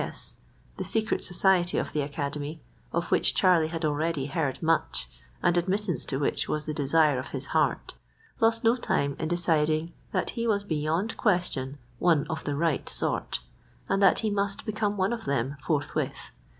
S."—the secret society of the academy, of which Charlie had already heard much, and admittance to which was the desire of his heart—lost no time in deciding that he was beyond question one of the right sort, and that he must become one of them forthwith.